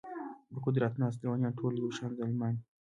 پر قدرت ناست لېونیان ټول یو شان ظالمان دي.